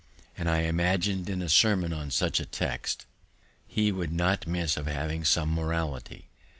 _" And I imagin'd, in a sermon on such a text, we could not miss of having some morality.